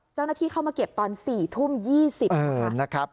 เจ้าหน้าที่เข้ามาเก็บตอน๔ทุ่ม๒๐นาทีนะครับ